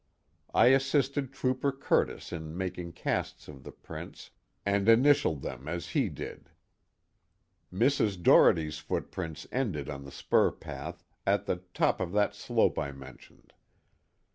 I assisted Trooper Curtis in making casts of the prints, and initialed them as he did. Mrs. Doherty's footprints ended on the spur path, at the top of that slope I mentioned.